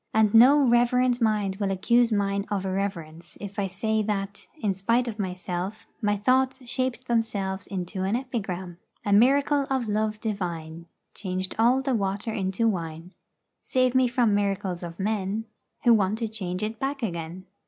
And no reverent mind will accuse mine of irreverence if I say that, in spite of myself, my thoughts shaped themselves into an epigram: A miracle of Love Divine Changed all the water into wine: Save me from miracles of men, Who want to change it back again.